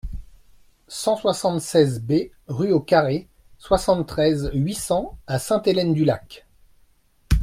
cent soixante-seize B rue Au Carré, soixante-treize, huit cents à Sainte-Hélène-du-Lac